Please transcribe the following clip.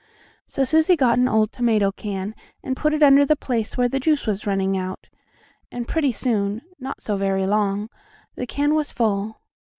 So Susie got an old tomato can, and put it under the place where the juice was running out, and pretty soon, not so very long, the can was full.